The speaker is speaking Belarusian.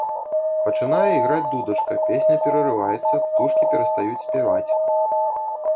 Пачынае іграць дудачка, песня перарываецца, птушкі перастаюць спяваць.